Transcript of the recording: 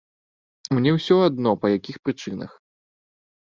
Мне ўсё адно, па якіх прычынах.